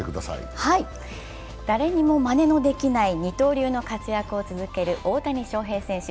誰にもまねのできない二刀流の活躍を続ける大谷翔平選手。